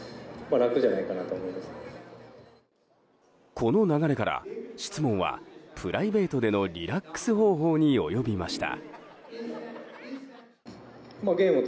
この流れから、質問はプライベートでのリラックス方法に及びました。